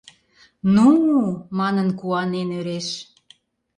— Ну?! — манын, куанен ӧреш.